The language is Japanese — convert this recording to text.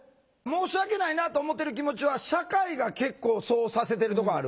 申し訳ないなと思ってる気持ちは社会が結構そうさせてるとこある。